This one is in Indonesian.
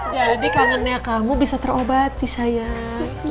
jadi kangennya kamu bisa terobati sayang